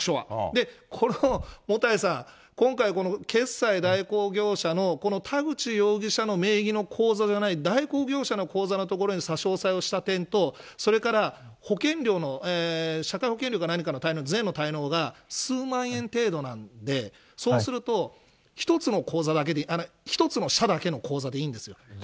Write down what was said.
で、もたいさん、今回、この決済代行業者の、この田口容疑者の名義の口座じゃない、代行業者の口座の所に差し押さえをした点と、それから保険料、社会保険料か何かの滞納、税の滞納が数万円程度なんで、そうすると、１つの口座だけに、１つの社の口座だけでいいんですよ。